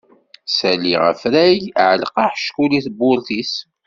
Ssali afrag, ɛelleq aḥeckul i tebburt-is.